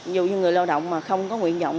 dù như người lao động mà không có nguyện vọng